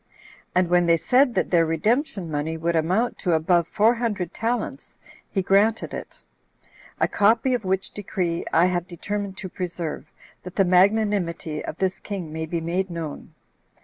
And when they said that their redemption money would amount to above four hundred talents, he granted it. A copy of which decree I have determined to preserve, that the magnanimity of this king may be made known.